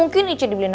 nanti juga dia pulang